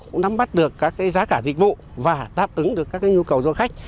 cũng nắm bắt được các giá cả dịch vụ và đáp ứng được các nhu cầu du khách